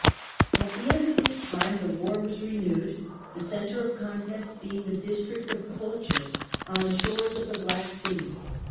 At the end of this time the war was renewed, the centre of contest being the district of Colchis, on the shores of the Black Sea.